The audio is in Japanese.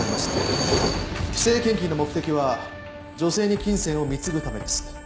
不正献金の目的は女性に金銭を貢ぐためです。